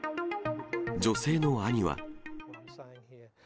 女性の兄は。